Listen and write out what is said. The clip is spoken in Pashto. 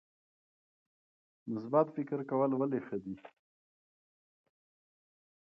مثبت فکر کول ولې ښه دي؟